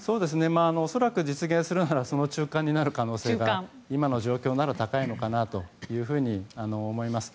恐らく、実現するならその中間になる可能性が今の状況なら高いかなと思います。